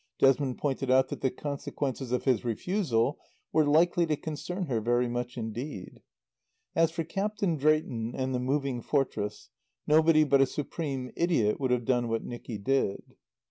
Desmond pointed out that the consequences of his refusal were likely to concern her very much indeed. As for Captain Drayton and the Moving Fortress, nobody but a supreme idiot would have done what Nicky did.